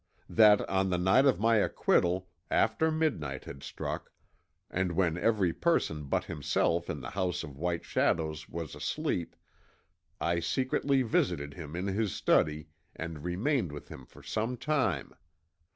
"That on the night of my acquittal, after midnight had struck, and when every person but himself in the House of White Shadows was asleep, I secretly visited him in his study, and remained with him for some time.